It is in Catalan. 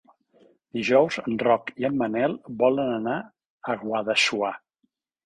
Dijous en Roc i en Manel volen anar a Guadassuar.